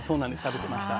食べてました。